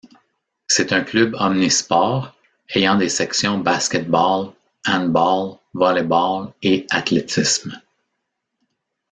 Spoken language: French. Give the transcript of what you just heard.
C'est un club omnisports ayant des sections basket-ball, handball, volley-ball et athlétisme.